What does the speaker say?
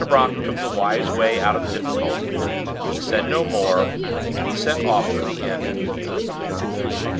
Brock took the wise way out of the difficulty he said no more, and he set off for the inn immediately.